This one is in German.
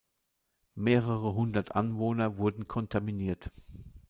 Mehrere hundert Anwohner wurden kontaminiert.